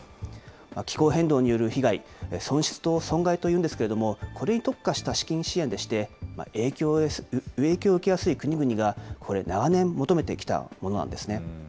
気候変動による被害、損失と損害というんですけれども、これに特化した資金支援でして、影響を受けやすい国々が、長年求めてきたものなんですね。